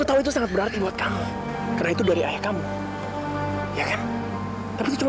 tapi itu cuma benda mati